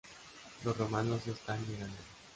Los romanos están llegando.